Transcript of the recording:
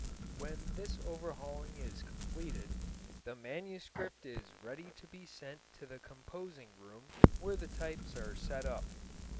When this overhauling is completed the manuscript is ready to be sent to the composing room where the types are set up.